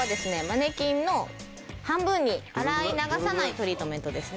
マネキンの半分に洗い流さないトリートメントですね